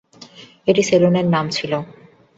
এটা সেলুনের নাম ছিল।